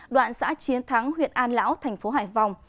đoạn xã chiến thắng huyện an lão thành phố hải phòng